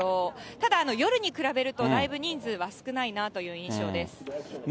ただ夜に比べると、だいぶ人数は少ないなという印象です。